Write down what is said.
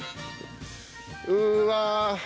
うわ。